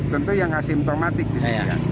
tentu yang asimptomatik di sini